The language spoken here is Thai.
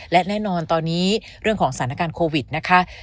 และแน่นอนตอนนี้เรื่องของสถานการณ์โควิดนะคะ